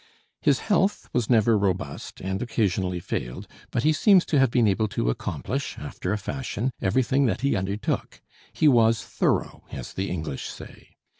His health was never robust, and occasionally failed; but he seems to have been able to accomplish after a fashion everything that he undertook; he was "thorough," as the English say.